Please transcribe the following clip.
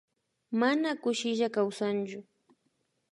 Mana kushilla kawsanllu